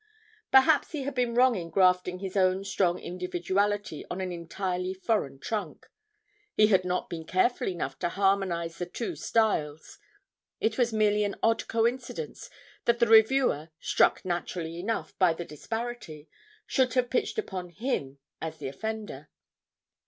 Perhaps he had been wrong in grafting his own strong individuality on an entirely foreign trunk he had not been careful enough to harmonise the two styles it was merely an odd coincidence that the reviewer, struck naturally enough by the disparity, should have pitched upon him as the offender.